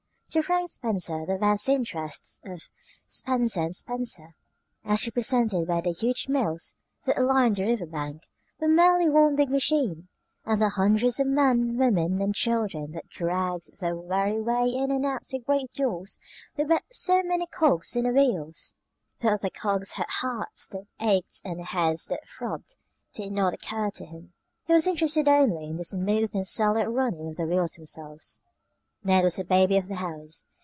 To Frank Spencer the vast interests of Spencer & Spencer, as represented by the huge mills that lined the river bank, were merely one big machine; and the hundreds of men, women, and children that dragged their weary way in and out the great doors were but so many cogs in the wheels. That the cogs had hearts that ached and heads that throbbed did not occur to him. He was interested only in the smooth and silent running of the wheels themselves. Ned was the baby of the house.